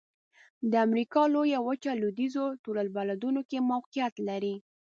د امریکا لویه وچه لویدیځو طول البلدونو کې موقعیت لري.